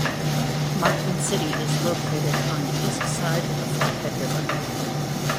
Martin City is located on the east side of the Flathead River.